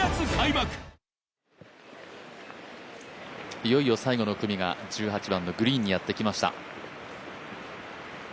いよいよ最後の組が１８番のグリーンにやってきました。